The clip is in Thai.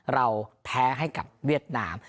เราแพ้ให้กับเวียดนาม